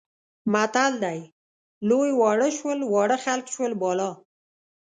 متل دی لوی واړه شول، واړه خلک شول بالا.